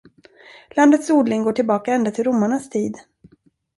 Landets odling går tillbaka ända till romarnas tid.